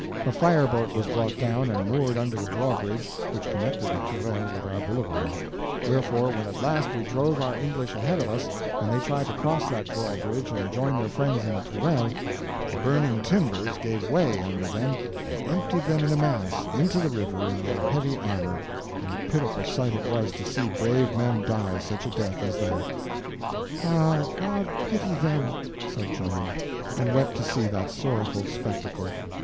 A fire boat was brought down and moored under the drawbridge which connected the Tourelles with our boulevard; wherefore, when at last we drove our English ahead of us and they tried to cross that drawbridge and join their friends in the Tourelles, the burning timbers gave way under them and emptied them in a mass into the river in their heavy armor—and a pitiful sight it was to see brave men die such a death as that. "Ah, God pity them!" said Joan, and wept to see that sorrowful spectacle.